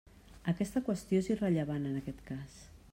Aquesta qüestió és irrellevant en aquest cas.